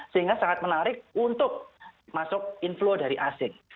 sehingga sangat menarik untuk masuk inflow dari asing